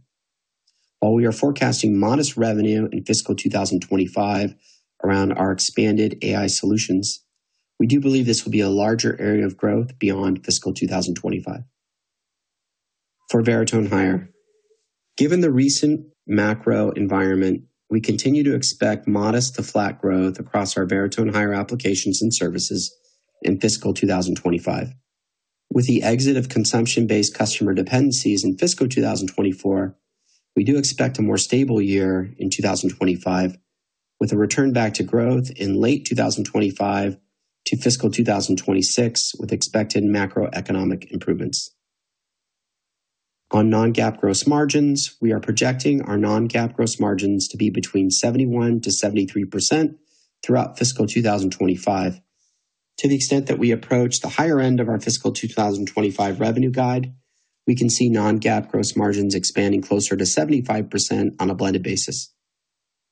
While we are forecasting modest revenue in fiscal 2025 around our expanded AI solutions, we do believe this will be a larger area of growth beyond fiscal 2025. For Veritone Hire, given the recent macro environment, we continue to expect modest to flat growth across our Veritone Hire applications and services in fiscal 2025. With the exit of consumption-based customer dependencies in fiscal 2024, we do expect a more stable year in 2025, with a return back to growth in late 2025 to fiscal 2026 with expected macroeconomic improvements. On non-GAAP gross margins, we are projecting our non-GAAP gross margins to be between 71-73% throughout fiscal 2025. To the extent that we approach the higher end of our fiscal 2025 revenue guide, we can see non-GAAP gross margins expanding closer to 75% on a blended basis.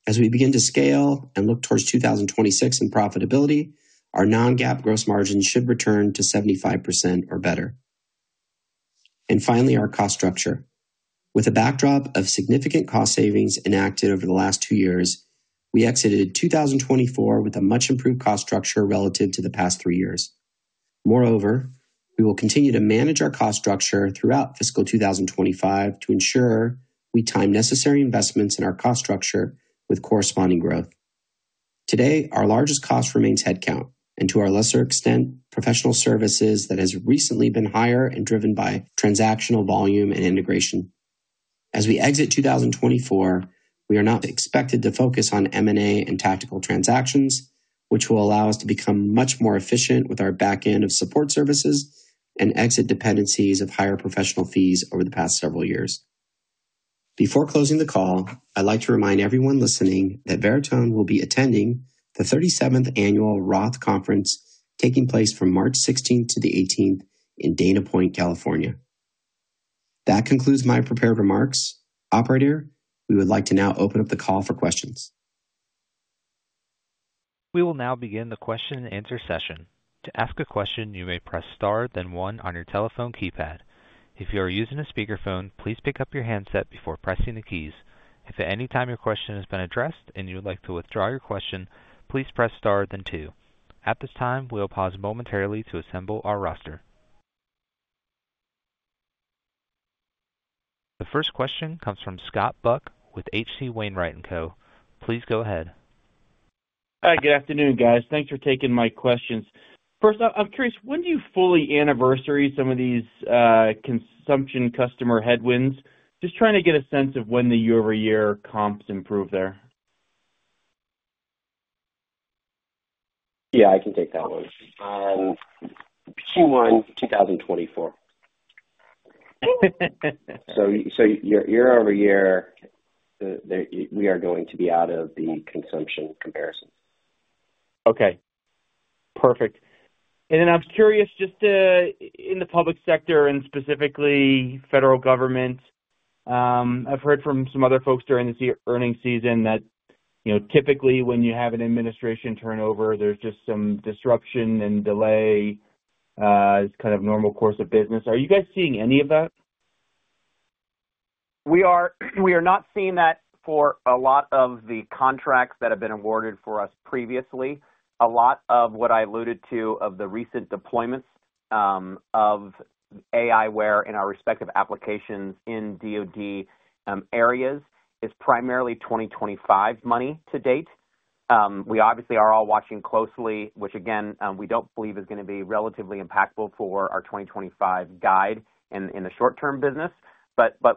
As we begin to scale and look towards 2026 in profitability, our non-GAAP gross margins should return to 75% or better. Finally, our cost structure. With a backdrop of significant cost savings enacted over the last two years, we exited 2024 with a much-improved cost structure relative to the past three years. Moreover, we will continue to manage our cost structure throughout fiscal 2025 to ensure we time necessary investments in our cost structure with corresponding growth. Today, our largest cost remains headcount and, to a lesser extent, professional services that has recently been higher and driven by transactional volume and integration. As we exit 2024, we are now expected to focus on M&A and tactical transactions, which will allow us to become much more efficient with our backend of support services and exit dependencies of higher professional fees over the past several years. Before closing the call, I'd like to remind everyone listening that Veritone will be attending the 37th Annual Roth Conference taking place from March 16 to the 18th in Dana Point, California. That concludes my prepared remarks. Operator, we would like to now open up the call for questions. We will now begin the question-and-answer session. To ask a question, you may press Star, then 1 on your telephone keypad. If you are using a speakerphone, please pick up your handset before pressing the keys. If at any time your question has been addressed and you would like to withdraw your question, please press Star, then 2. At this time, we will pause momentarily to assemble our roster. The first question comes from Scott Buck with H.C. Wainwright & Co. Please go ahead. Hi, good afternoon, guys. Thanks for taking my questions. First off, I'm curious, when do you fully anniversary some of these consumption customer headwinds? Just trying to get a sense of when the year-over-year comps improve there. Yeah, I can take that one. Q1 2024. So year-over-year, we are going to be out of the consumption comparison. Okay. Perfect. I'm curious, just in the public sector and specifically federal government, I've heard from some other folks during this earning season that typically when you have an administration turnover, there's just some disruption and delay is kind of normal course of business. Are you guys seeing any of that? We are not seeing that for a lot of the contracts that have been awarded for us previously. A lot of what I alluded to of the recent deployments of aiWARE in our respective applications in DOD areas is primarily 2025 money to date. We obviously are all watching closely, which again, we don't believe is going to be relatively impactful for our 2025 guide in the short-term business.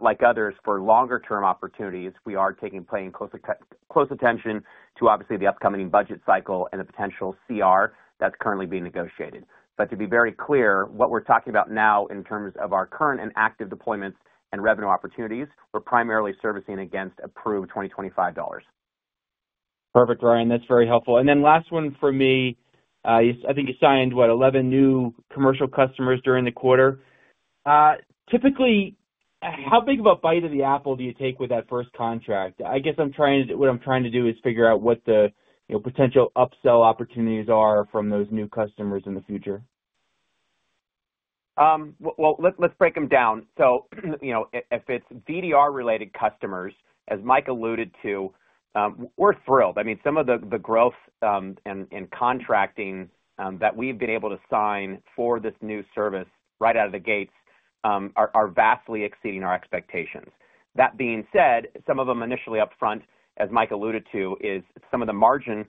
Like others, for longer-term opportunities, we are paying close attention to obviously the upcoming budget cycle and the potential CR that's currently being negotiated. To be very clear, what we're talking about now in terms of our current and active deployments and revenue opportunities, we're primarily servicing against approved $2025. Perfect, Ryan. That's very helpful. Last one for me, I think you signed, what, 11 new commercial customers during the quarter. Typically, how big of a bite of the apple do you take with that first contract? I guess what I'm trying to do is figure out what the potential upsell opportunities are from those new customers in the future. Let's break them down. If it's VDR-related customers, as Mike alluded to, we're thrilled. I mean, some of the growth and contracting that we've been able to sign for this new service right out of the gates are vastly exceeding our expectations. That being said, some of them initially upfront, as Mike alluded to, is some of the margin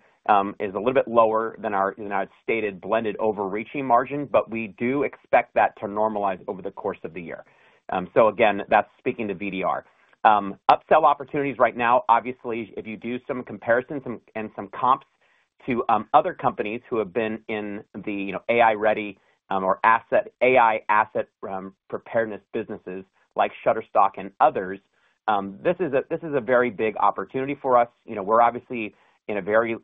is a little bit lower than our stated blended overreaching margin, but we do expect that to normalize over the course of the year. That is speaking to VDR. Upsell opportunities right now, obviously, if you do some comparisons and some comps to other companies who have been in the AI-ready or AI asset preparedness businesses like Shutterstock and others, this is a very big opportunity for us. We are obviously in a very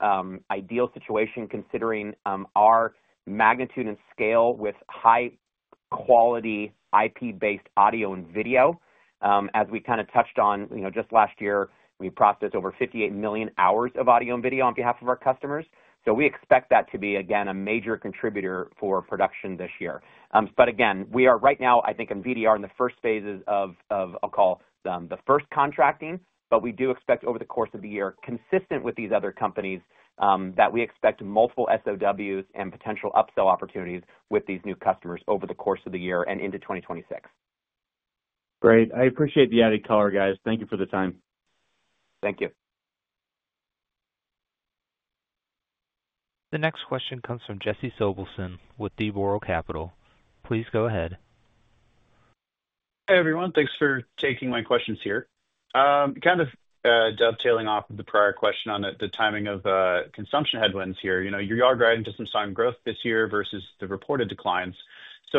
ideal situation considering our magnitude and scale with high-quality IP-based audio and video. As we kind of touched on just last year, we processed over 58 million hours of audio and video on behalf of our customers. We expect that to be, again, a major contributor for production this year. Again, we are right now, I think, in VDR in the first phases of, I'll call, the first contracting, but we do expect over the course of the year, consistent with these other companies, that we expect multiple SOWs and potential upsell opportunities with these new customers over the course of the year and into 2026. Great. I appreciate the added color, guys. Thank you for the time. Thank you. The next question comes from Jesse Sobelson with D.A. Davidson. Please go ahead. Hey, everyone. Thanks for taking my questions here. Kind of dovetailing off of the prior question on the timing of consumption headwinds here, you are driving to some growth this year versus the reported declines.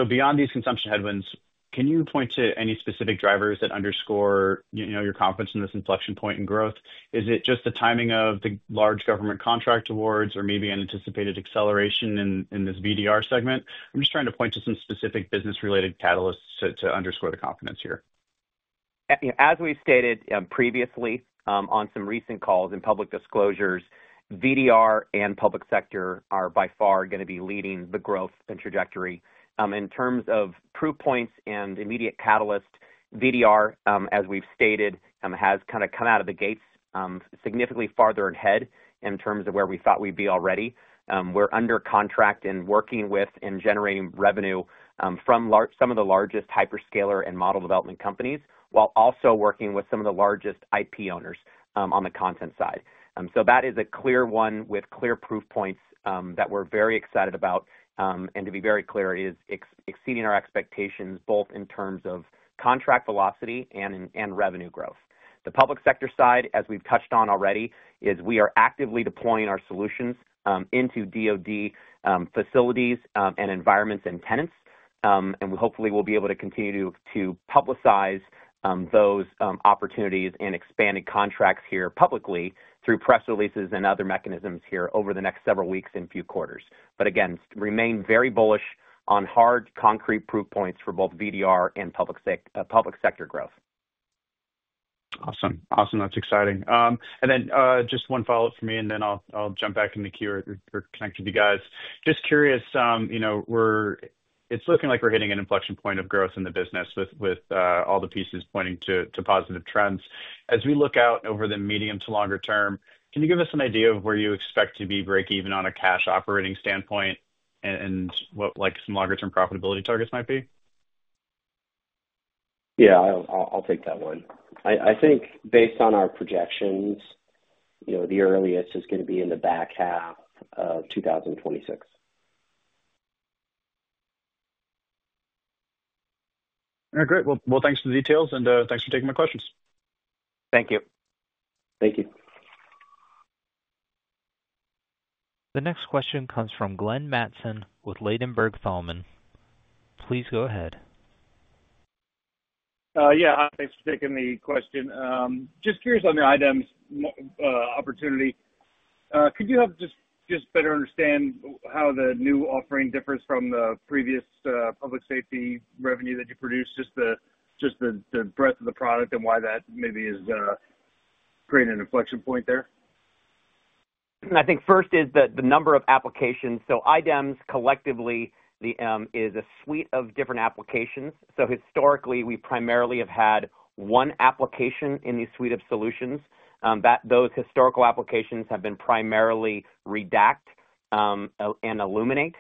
Beyond these consumption headwinds, can you point to any specific drivers that underscore your confidence in this inflection point in growth? Is it just the timing of the large government contract awards or maybe an anticipated acceleration in this VDR segment? I'm just trying to point to some specific business-related catalysts to underscore the confidence here. As we stated previously on some recent calls and public disclosures, VDR and public sector are by far going to be leading the growth and trajectory. In terms of proof points and immediate catalysts, VDR, as we've stated, has kind of come out of the gates significantly farther ahead in terms of where we thought we'd be already. We're under contract and working with and generating revenue from some of the largest hyperscaler and model development companies while also working with some of the largest IP owners on the content side. That is a clear one with clear proof points that we're very excited about. To be very clear, it is exceeding our expectations both in terms of contract velocity and revenue growth. The public sector side, as we've touched on already, is we are actively deploying our solutions into DOD facilities and environments and tenants. We hopefully will be able to continue to publicize those opportunities and expanded contracts here publicly through press releases and other mechanisms here over the next several weeks and few quarters. Again, remain very bullish on hard concrete proof points for both VDR and public sector growth. Awesome. Awesome. That's exciting. One follow-up for me, and then I'll jump back in the queue or connect with you guys. Just curious, it's looking like we're hitting an inflection point of growth in the business with all the pieces pointing to positive trends. As we look out over the medium to longer term, can you give us an idea of where you expect to be break-even on a cash operating standpoint and what some longer-term profitability targets might be? Yeah, I'll take that one. I think based on our projections, the earliest is going to be in the back half of 2026. All right. Great. Thanks for the details and thanks for taking my questions. Thank you. Thank you. The next question comes from Glenn Mattson with Ladenburg Thalmann. Please go ahead. Yeah. Hi. Thanks for taking the question. Just curious on the iDEMS opportunity. Could you help just better understand how the new offering differs from the previous public safety revenue that you produced, just the breadth of the product and why that maybe is creating an inflection point there? I think first is the number of applications. iDEMS collectively is a suite of different applications. Historically, we primarily have had one application in the suite of solutions. Those historical applications have been primarily Redact and Illuminate.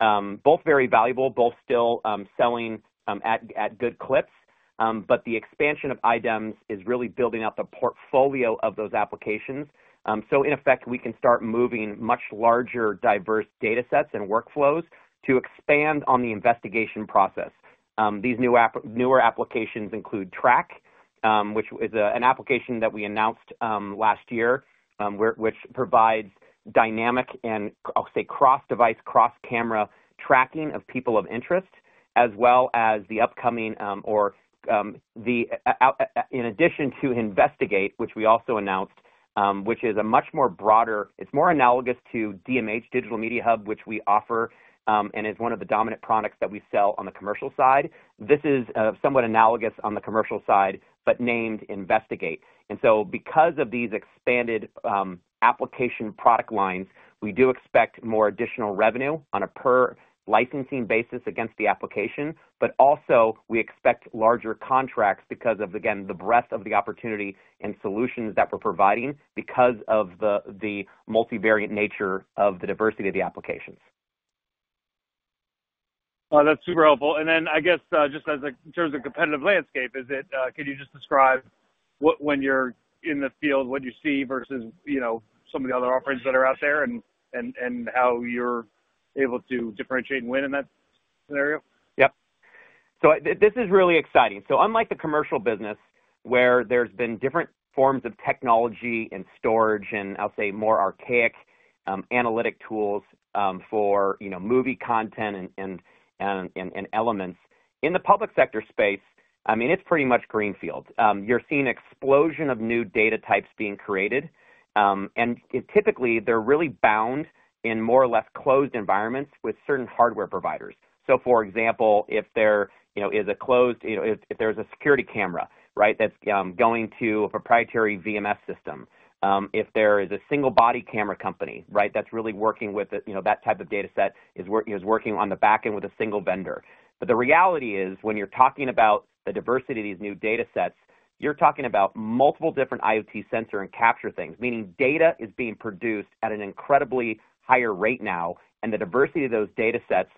Both very valuable, both still selling at good clips. The expansion of iDEMS is really building out the portfolio of those applications. In effect, we can start moving much larger, diverse data sets and workflows to expand on the investigation process. These newer applications include Track, which is an application that we announced last year, which provides dynamic and, I'll say, cross-device, cross-camera tracking of people of interest, as well as the upcoming or, in addition to, Investigate, which we also announced, which is a much more broader—it's more analogous to DMH Digital Media Hub, which we offer and is one of the dominant products that we sell on the commercial side. This is somewhat analogous on the commercial side, but named Investigate. Because of these expanded application product lines, we do expect more additional revenue on a per-licensing basis against the application. Also, we expect larger contracts because of, again, the breadth of the opportunity and solutions that we're providing because of the multivariate nature of the diversity of the applications. That's super helpful. I guess just in terms of competitive landscape, can you just describe when you're in the field, what you see versus some of the other offerings that are out there and how you're able to differentiate and win in that scenario? Yep. This is really exciting. Unlike the commercial business, where there's been different forms of technology and storage and, I'll say, more archaic analytic tools for movie content and elements, in the public sector space, I mean, it's pretty much greenfield. You're seeing an explosion of new data types being created. Typically, they're really bound in more or less closed environments with certain hardware providers. For example, if there is a security camera, right, that's going to a proprietary VMS system. If there is a single-body camera company, right, that's really working with that type of data set, it is working on the back end with a single vendor. The reality is, when you're talking about the diversity of these new data sets, you're talking about multiple different IoT sensor and capture things, meaning data is being produced at an incredibly higher rate now. The diversity of those data sets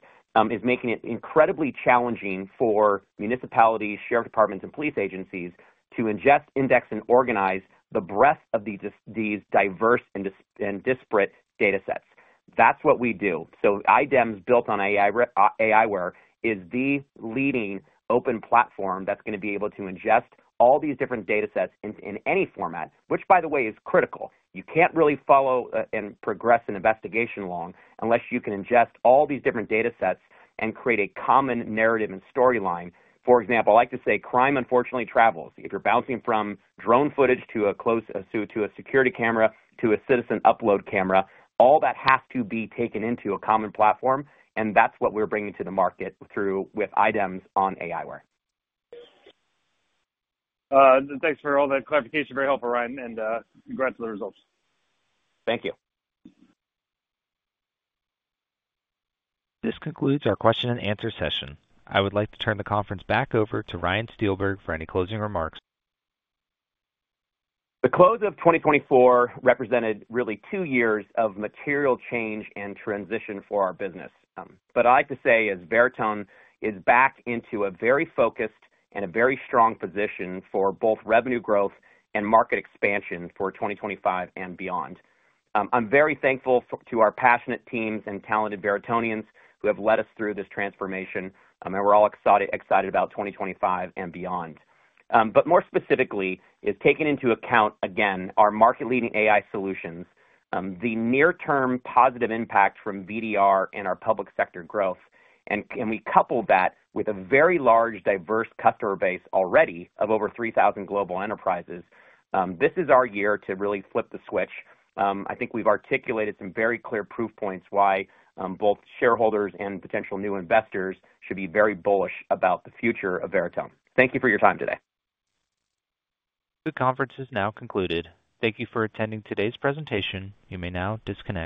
is making it incredibly challenging for municipalities, sheriff departments, and police agencies to ingest, index, and organize the breadth of these diverse and disparate data sets. That's what we do. iDEMS built on aiWARE is the leading open platform that's going to be able to ingest all these different data sets in any format, which, by the way, is critical. You can't really follow and progress an investigation along unless you can ingest all these different data sets and create a common narrative and storyline. For example, I like to say, crime unfortunately travels. If you're bouncing from drone footage to a close suit to a security camera to a citizen upload camera, all that has to be taken into a common platform. That's what we're bringing to the market through with iDEMS on aiWARE. Thanks for all that clarification. Very helpful, Ryan. And congrats on the results. Thank you. This concludes our question-and-answer session. I would like to turn the conference back over to Ryan Steelberg for any closing remarks. The close of 2024 represented really two years of material change and transition for our business. I like to say, as Veritone is back into a very focused and a very strong position for both revenue growth and market expansion for 2025 and beyond. I'm very thankful to our passionate teams and talented Veritonians who have led us through this transformation. We're all excited about 2025 and beyond. More specifically, taking into account, again, our market-leading AI solutions, the near-term positive impact from VDR and our public sector growth. We couple that with a very large, diverse customer base already of over 3,000 global enterprises. This is our year to really flip the switch. I think we've articulated some very clear proof points why both shareholders and potential new investors should be very bullish about the future of Veritone. Thank you for your time today. The conference is now concluded. Thank you for attending today's presentation. You may now disconnect.